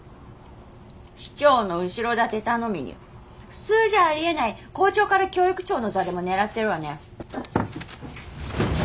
市長の後ろ盾頼みに普通じゃありえない校長から教育長の座でも狙ってるわね。